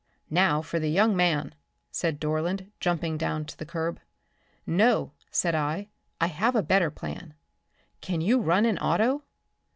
"Now for the young man," said Dorland, jumping down to the curb. "No," said I. "I have a better plan. Can you run an auto?"